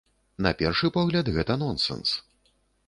На першы погляд, гэта нонсэнс.